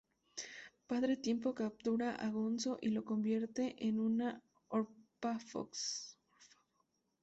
Padre Tiempo captura a Gonzo y lo convierte en una 'Orphan Box'.